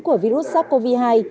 của virus sars cov hai